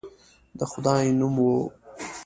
د خدای نوم وو.